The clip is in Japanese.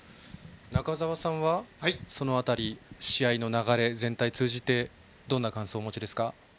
中澤さんは、その辺り試合の流れ、全体を通じてどんな感想をお持ちですか？